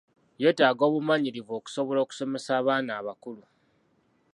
Yeetaaga obumanyirivu okusobola okusomesa abaana abakulu.